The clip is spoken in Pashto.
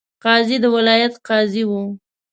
قاضي د ولایت قاضي وو.